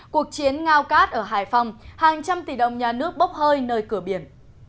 cuộc chiến ngao cát ở hải phòng hàng trăm tỷ đồng nhà nước bốc hơi nơi cửa biển